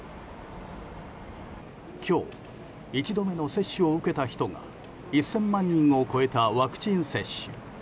今日１度目の接種を受けた人が１０００万人を超えたワクチン接種。